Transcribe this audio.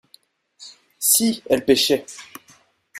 Si elle pêchait.